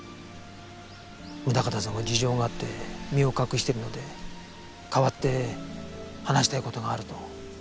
宗形さんは事情があって身を隠しているので代わって話したい事があると。